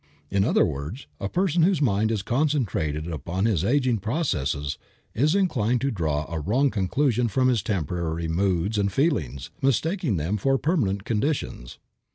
In other words, a person whose mind is concentrated upon his aging processes is inclined to draw a wrong conclusion from his temporary moods and feelings, mistaking them for permanent conditions.